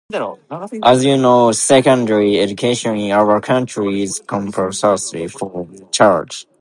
As you know secondary education in our country is compulsory and free of charge.